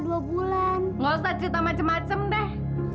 dua bulan gak usah cerita macam macam deh